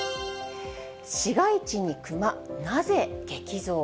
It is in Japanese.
市街地にクマ、なぜ激増？